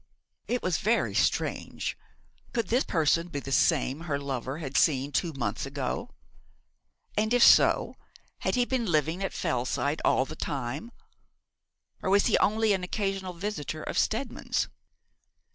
It was very strange. Could this person be the same her lover had seen two months ago? And, if so, had he been living at Fellside all the time; or was he only an occasional visitor of Steadman's?